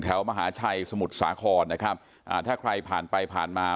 มหาชัยสมุทรสาครนะครับอ่าถ้าใครผ่านไปผ่านมา